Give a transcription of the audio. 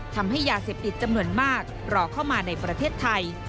ทำให้ยาเสพติดจำนวนมากรอเข้ามาในประเทศไทย